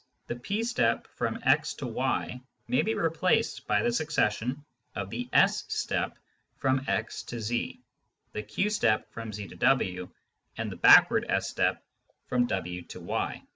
the P step from x to y may be replaced by the succession of the S step from x to z, the Q step from z to w, and the backward S step from w to y.